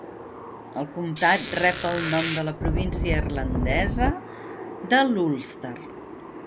El comtat rep el nom de la província irlandesa de l'Ulster.